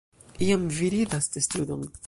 Iam, ri vidas testudon.